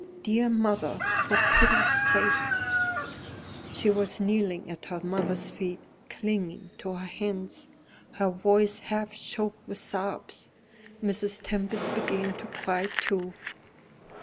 Dear mother, for pity's sake " She was kneeling at her mother's feet, clinging to her hands, her voice half choked with sobs. Mrs. Tempest began to cry too.